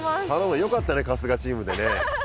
よかったね、春日チームでね